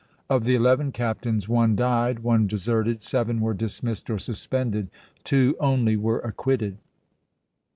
Of the eleven captains one died, one deserted, seven were dismissed or suspended, two only were acquitted.